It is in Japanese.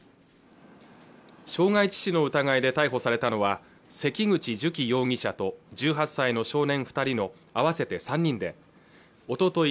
傷害致死の疑いで逮捕されたのは関口寿喜容疑者と１８歳の少年二人の合わせて３人でおととい